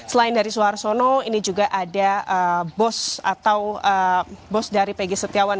selain dari suharsono ini juga ada bos atau bos dari pegi setiawan